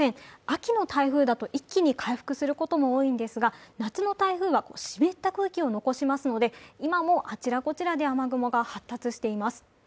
秋の台風だと一気に回復することも多いんですが、夏の台風は湿った空気を残しますので今もあちらこちらで雨雲が発達しています。